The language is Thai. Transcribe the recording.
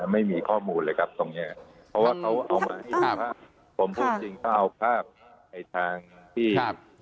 ไม่มีข้อมูลเลยครับตรงเนี้ยเพราะว่าเขาเอามาให้ดูภาพผมพูดจริงเขาเอาภาพในทางที่